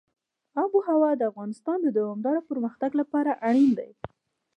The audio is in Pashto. آب وهوا د افغانستان د دوامداره پرمختګ لپاره اړین دي.